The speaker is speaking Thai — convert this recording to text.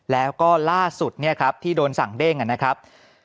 แล้วก็ล่าสุดเนี่ยครับที่โดนสั่งเด้งนะครับ